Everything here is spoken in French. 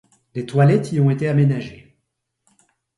Des toilettes y ont été aménagés.